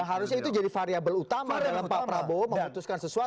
dan harusnya itu jadi variable utama dalam pak prabowo memutuskan sesuatu